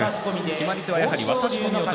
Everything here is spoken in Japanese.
決まり手は渡し込みです。